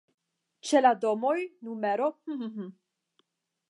Ĉe la domoj nr.